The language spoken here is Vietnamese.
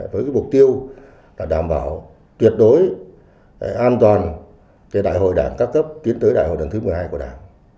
với mục tiêu là đảm bảo tuyệt đối an toàn đại hội đảng các cấp tiến tới đại hội đảng thứ một mươi hai của đảng